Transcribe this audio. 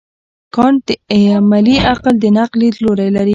کانټ د عملي عقل د نقد لیدلوری لري.